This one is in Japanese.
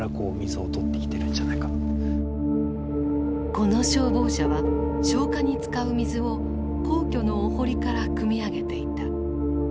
この消防車は消火に使う水を皇居のお堀からくみ上げていた。